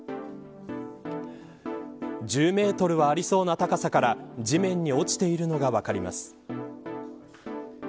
１０メートルはありそうな高さから地面に落ちているのが分かります。